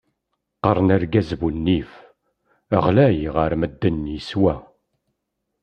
Qaren argaz bu nnif, ɣlay ɣer medden, yeswa.